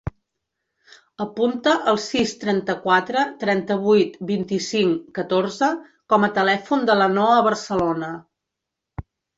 Apunta el sis, trenta-quatre, trenta-vuit, vint-i-cinc, catorze com a telèfon de la Noha Barcelona.